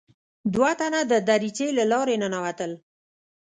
دوه تنه د دريڅې له لارې ننوتل.